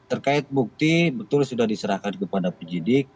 terkait bukti betul sudah diserahkan kepada penyidik